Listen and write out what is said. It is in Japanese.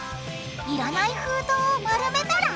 いらない封筒を丸めたら！？